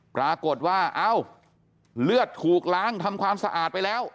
ปรากฏว่าเอ้าเลือดถูกล้างทำความสะอาดไปแล้ว